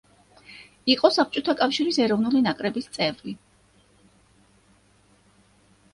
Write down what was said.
იყო საბჭოთა კავშირის ეროვნული ნაკრების წევრი.